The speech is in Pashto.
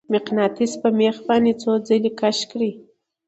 مقناطیس په میخ باندې څو ځلې کش کړئ.